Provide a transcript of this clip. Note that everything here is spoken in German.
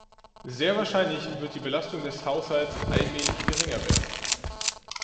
Sehr wahrscheinlich wird die Belastung des Haushalts allmählich geringer werden.